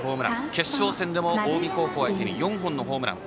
決勝戦でも近江高校相手に４本のホームラン。